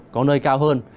có nơi cao hơn